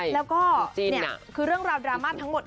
แล้วก็นี่คือเรื่องราวดราม่าทั้งหมด